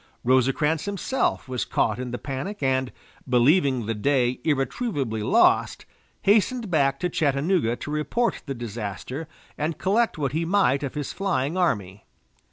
Rosecrans himself was caught in the panic, and, believing the day irretrievably lost, hastened back to Chattanooga to report the disaster and collect what he might of his flying army.